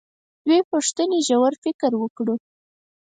دوې پوښتنې ژور فکر وکړو.